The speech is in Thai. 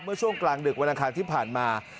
เมื่อช่วงกลางดึกวันอันทางที่ผ่านมา